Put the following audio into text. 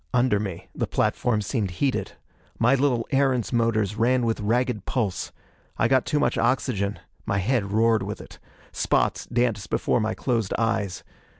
Under me the platform seemed heated. My little Erentz motors ran with ragged pulse. I got too much oxygen; my head roared with it. Spots danced before my closed eyes.